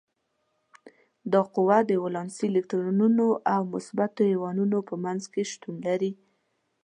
دا قوه د ولانسي الکترونونو او مثبتو ایونونو په منځ کې شتون لري.